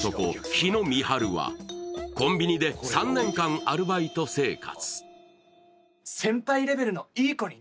日野三春はコンビニで３年間アルバイト生活。